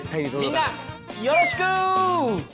みんなよろしく！